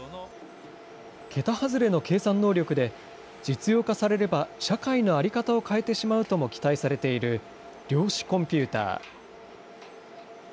桁外れの計算能力で、実用化されれば社会の在り方を変えてしまうとも期待されている量子コンピューター。